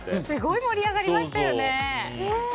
すごい盛り上がりましたよね。